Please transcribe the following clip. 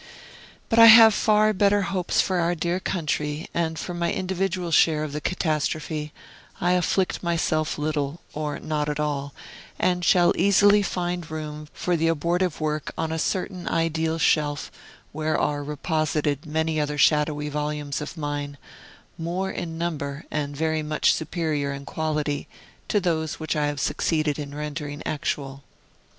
But I have far better hopes for our dear country; and for my individual share of the catastrophe, I afflict myself little, or not at all, and shall easily find room for the abortive work on a certain ideal shelf, where are reposited many other shadowy volumes of mine, more in number, and very much superior in quality, to those which I have succeeded in rendering actual.